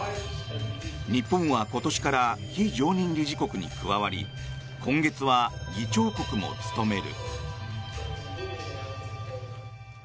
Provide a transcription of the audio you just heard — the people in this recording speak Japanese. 日本は今年から非常任理事国に加わり今月は議長国も務める。